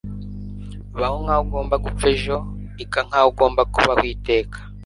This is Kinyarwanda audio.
Baho nkaho ugomba gupfa ejo. Iga nkaho ugomba kubaho iteka. ”